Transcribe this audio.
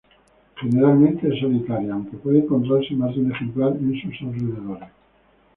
Generalmente es solitaria, aunque puede encontrarse más de un ejemplar en sus alrededores.